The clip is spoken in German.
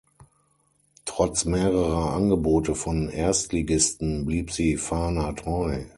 Trotz mehrerer Angebote von Erstligisten blieb sie Fana treu.